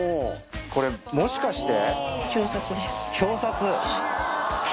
これもしかして？